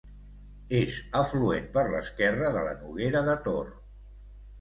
És afluent per l'esquerre de la Noguera de Tor.